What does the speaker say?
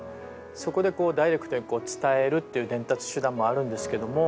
そこでこうダイレクトに伝えるっていう伝達手段もあるんですけども。